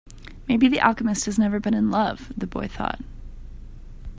Maybe the alchemist has never been in love, the boy thought.